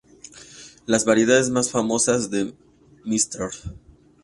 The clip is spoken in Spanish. Las variedades más famosas de Mrs.